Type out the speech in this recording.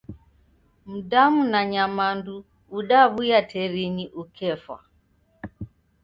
Mdamu na nyamandu udawuya terinyi ukefwa.